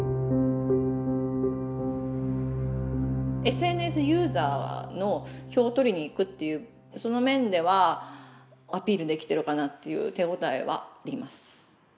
ＳＮＳユーザーの票を取りにいくっていうその面ではアピールできてるかなっていう手応えはあります。